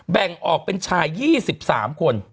แบ่งออกเป็นชาย๒๓คน